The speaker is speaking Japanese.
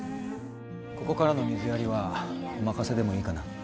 ここからの水やりはお任せでもいいかな。